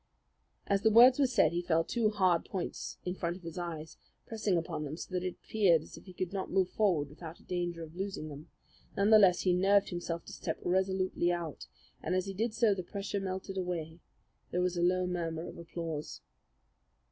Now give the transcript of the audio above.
As the words were said he felt two hard points in front of his eyes, pressing upon them so that it appeared as if he could not move forward without a danger of losing them. None the less, he nerved himself to step resolutely out, and as he did so the pressure melted away. There was a low murmur of applause.